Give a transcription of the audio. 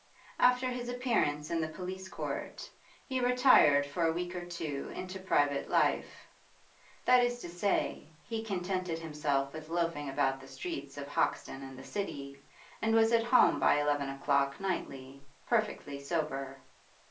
After his appearance in the police court, he retired for a week or two into private life; that is to say, he contented himself with loafing about the streets of Hoxton and the City, and was at home by eleven o'clock nightly, perfectly sober.